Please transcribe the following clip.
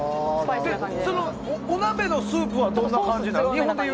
お鍋のスープはどんな感じなの？